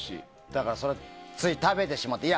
だから、つい食べてしまって。